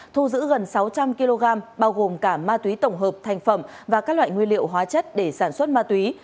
thu giữ gần sáu trăm linh kg bao gồm cả ma túy tổng hợp thành phẩm và các loại nguyên liệu hóa chất để sản xuất ma túy